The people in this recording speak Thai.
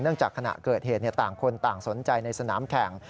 จากขณะเกิดเหตุต่างคนต่างสนใจในสนามแข่ง